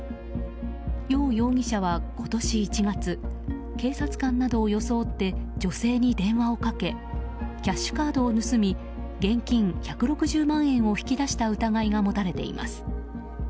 ヨウ容疑者は今年１月警察官などを装って女性に電話をかけキャッシュカードを盗み現金１６０万円を引き出した疑いが持たれています。